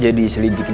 jadi selidikin dia kan